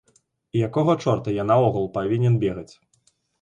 І якога чорта я наогул павінен бегаць?